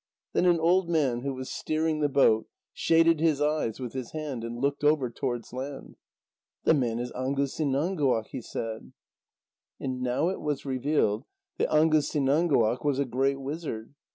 Then an old man who was steering the boat shaded his eyes with his hand and looked over towards land. "The man is Angusinãnguaq," he said. And now it was revealed that Angusinãnguaq was a great wizard.